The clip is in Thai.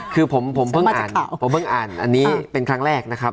คือผมเพิ่งอ่านอันนี้เป็นครั้งแรกนะครับ